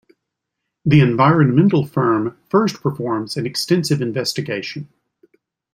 The environmental firm first performs an extensive investigation.